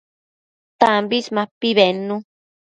Tambis mapi bednu